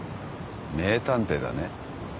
名探偵だね。